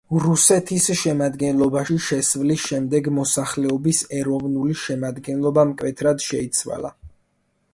რუსეთის შემადგენლობაში შესვლის შემდეგ მოსახლეობის ეროვნული შემადგენლობა მკვეთრად შეიცვალა.